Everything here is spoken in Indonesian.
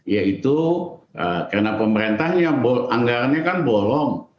yaitu karena pemerintahnya anggarannya kan bolong